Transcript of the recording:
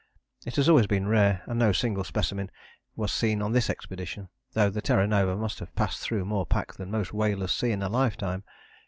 " It has always been rare, and no single specimen was seen on this expedition, though the Terra Nova must have passed through more pack than most whalers see in a life time.